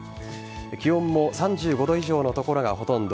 気温も３５度以上の所がほとんど。